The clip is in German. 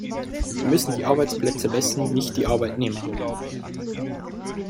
Wir müssen die Arbeitsplätze messen, nicht die Arbeitnehmer.